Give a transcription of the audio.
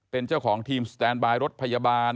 เป็นเจ้าของทีมสแตนบายรถพยาบาล